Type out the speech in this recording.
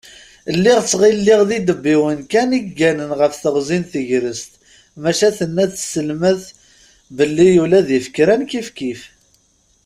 Lliɣ ttɣilliɣ d idebbiwen kan i yegganen ɣef teɣzi n tegrest, maca tenna-d tselmat belli ula d ifekran kifkif.